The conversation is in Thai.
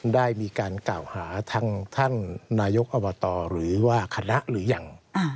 ได้มีการกล่าวหาทางท่านนายกอบตหรือว่าคณะหรือยัง